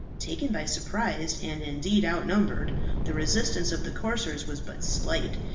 Taken by surprise, and indeed outnumbered, the resistance of the corsairs was but slight.